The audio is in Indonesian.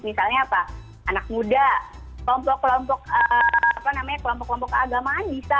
misalnya apa anak muda kelompok kelompok apa namanya kelompok kelompok agama bisa